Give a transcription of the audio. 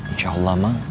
insya allah mang